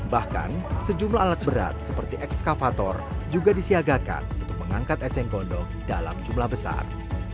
bahkan sejumlah alat berat seperti ekskavator juga disiagakan untuk mengangkat eceng gondong dalam jumlah besar